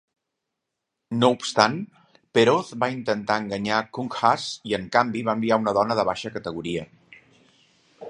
No obstant, Peroz va intentar enganyar Kunkhas i, en canvi, va enviar una dona de baixa categoria.